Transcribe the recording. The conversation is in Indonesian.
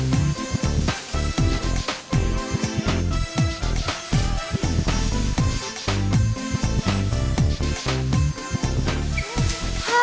gue juga kebelet nih